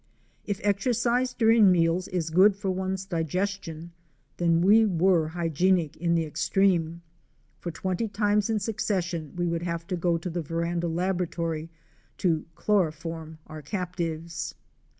* If exercise during meals is good for one's digestion then we were hygienic in the extreme, for twenty times in succession we would have to go to the veranda laboratory to chloroform our captives.